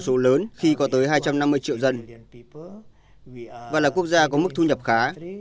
nhiều doanh nghiệp việt nam có một lượng dân số lớn khi có tới hai trăm năm mươi triệu dân và là quốc gia có mức thu nhập khá